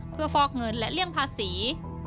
เพื่อฟอกเงินและเลี่ยงภาษี